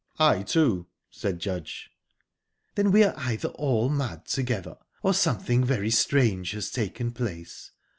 "I, too," said Judge. "Then we are either all mad together, or something very strange has taken place.